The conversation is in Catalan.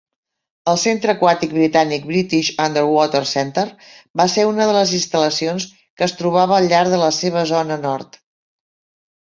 El centre aquàtic britànic British Underwater Centre va ser una de les instal·lacions que es trobava al llarg de la seva zona nord.